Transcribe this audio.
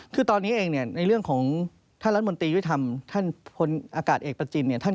คือตอนนี้เองเนี่ยในเรื่องของท่านรัฐมนตรียุทธรรมท่านพลอากาศเอกประจินเนี่ย